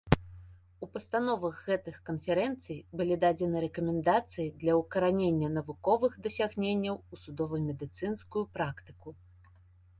У пастановах гэтых канферэнцый былі дадзены рэкамендацыі для ўкаранення навуковых дасягненняў у судова-медыцынскую практыку.